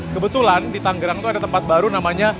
kebetulan di tanggerang itu ada tempat baru namanya